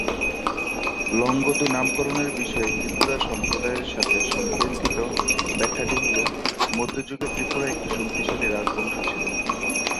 লংগদু নামকরণের বিষয়ে ত্রিপুরা সম্প্রদায়ের সাথে সম্পর্কিত ব্যাখ্যাটি হল, মধ্যযুগে ত্রিপুরায় একটি শক্তিশালী রাজবংশ ছিল।